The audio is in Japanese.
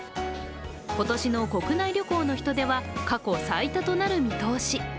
今年の国内旅行の人出は過去最多となる見通し。